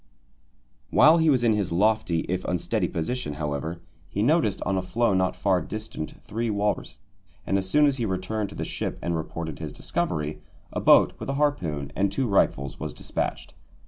While he was in his lofty if unsteady position, however, he noticed on a floe not far distant three walrus, and as soon as he returned to the ship and reported his discovery, a boat with a harpoon and two rifles was despatched.